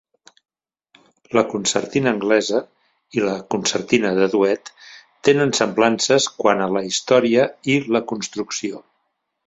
La "concertina anglesa" i la "concertina de duet" tenen semblances quant a la història i la construcció.